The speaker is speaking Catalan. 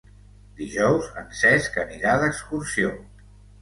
Dijous en Cesc anirà d'excursió.